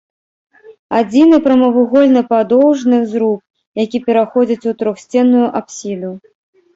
Адзіны прамавугольны падоўжны зруб, які пераходзіць у трохсценную апсіду.